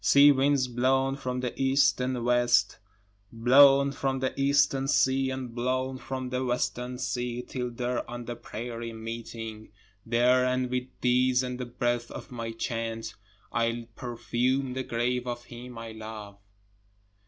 Sea winds blown from the east and west, Blown from the Eastern sea and blown from the Western sea, till there on the prairies meeting, These and with these and the breath of my chant, I'll perfume the grave of him I love.